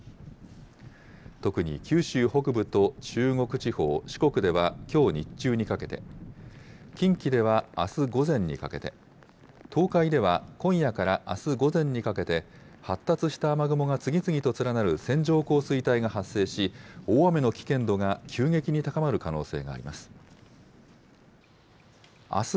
特に九州北部と中国地方、四国ではきょう日中にかけて、近畿ではあす午前にかけて、東海では今夜からあす午前にかけて、発達した雨雲が次々と連なる線状降水帯が発生し、大雨の危険度が急激に高まる可能性があります。